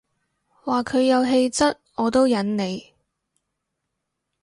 話佢有氣質我都忍你